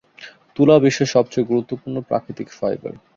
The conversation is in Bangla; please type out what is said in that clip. তুলা বিশ্বের সবচেয়ে গুরুত্বপূর্ণ প্রাকৃতিক ফাইবার।